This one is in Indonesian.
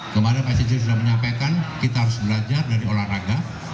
kemarin pak sigit sudah menyampaikan kita harus belajar dari olahraga